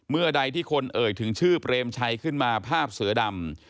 เมื่อใดที่คนเอ่ยถึงชื่อเปรมชัยขึ้นมาภาพเสือดำ